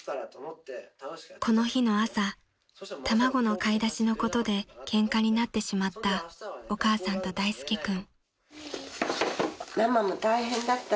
［この日の朝卵の買い出しのことでケンカになってしまったお母さんと大介君］